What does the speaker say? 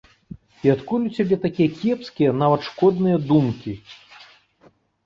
І адкуль у цябе такія кепскія, нават шкодныя думкі?